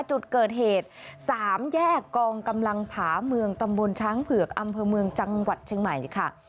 จุดเกิดเหตุ๓แยกกองกำลังผาเมืองตำบลช้างเผือกอำเภอเมืองจังหวัดเชียงใหม่ค่ะ